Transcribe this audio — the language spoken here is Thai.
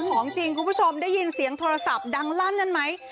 ของจริงคุณผู้ชมได้ยินเสียงโทรศัพท์ดังลั่นนั่นไหม